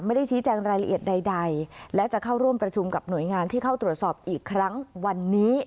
ไม่ได้ชี้แจงรายละเอียดใดและจะเข้าร่วมประชุมกับหน่วยงานที่เข้าตรวจสอบอีกครั้งวันนี้